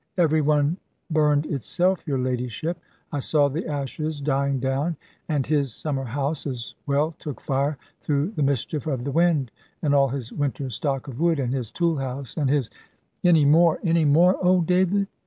"Every one burned itself, your ladyship; I saw the ashes dying down, and his summer house as well took fire, through the mischief of the wind, and all his winter stock of wood, and his tool house, and his " "Any more, any more, old David?"